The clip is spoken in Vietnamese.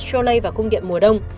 cholay và cung điện mùa đông